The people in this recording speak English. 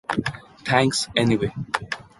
Thanks anyway.